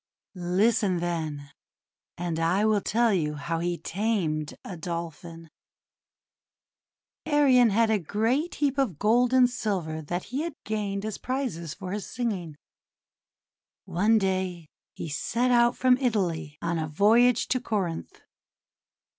Listen, then, and I will tell you how he tamed a Dolphin :— Arion had a great heap of gold and silver that he had gained as prizes for his singing. One day he set out from Italy on a voyage to Corinth.